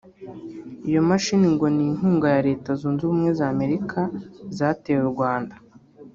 Iyo mashini ngo ni inkunga ya Leta Zunze Ubumwe za Amerika zateye u Rwanda